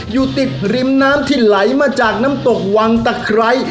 อยู่ติดริมน้ำที่ไหลมาจากน้ำตกวังตะไคร้